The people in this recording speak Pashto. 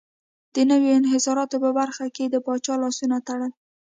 د نویو انحصاراتو په برخه کې یې د پاچا لاسونه تړل.